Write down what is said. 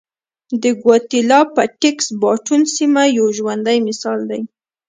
د ګواتیلا پټېکس باټون سیمه یو ژوندی مثال دی.